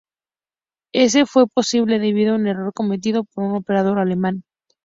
Ese fue posible debido a un error cometido por un operador alemán.